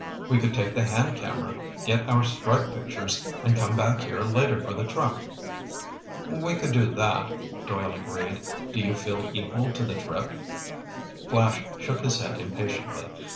We could take the hand camera, get our strike pictures, and come back here later for the truck." "We could do that," Doyle agreed. "Do you feel equal to the trip?" Flash shook his head impatiently.